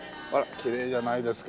きれいじゃないですか。